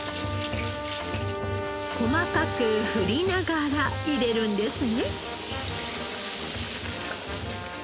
細かく振りながら入れるんですね。